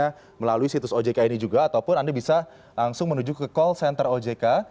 apakah melalui situs ojk ini juga ataupun anda bisa langsung menuju ke call center ojk